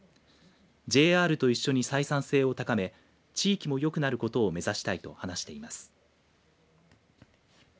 ＪＲと一緒に採算性を高め地域も良くなることを目指したいと話しています。